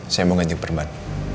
saya mau ganti perban